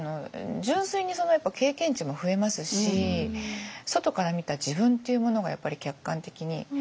純粋に経験値も増えますし外から見た自分っていうものがやっぱり客観的に。